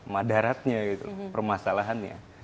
madaratnya gitu permasalahannya